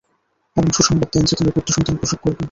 এবং সুসংবাদ দেন যে, তুমি পুত্র-সন্তান প্রসব করবে।